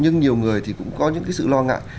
nhưng nhiều người thì cũng có những cái sự lo ngại